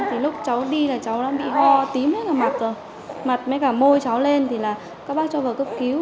thì lúc cháu đi là cháu nó bị ho tím hết cả mặt rồi mặt mấy cả môi cháu lên thì là các bác cho vào cấp cứu